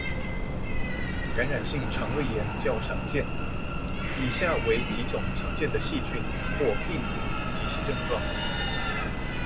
感染性腸胃炎較常見，以下為幾種常見的細菌或病毒及其症狀。